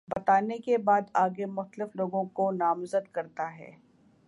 بتانے کے بعد آگے مختلف لوگوں کو نامزد کرتا ہے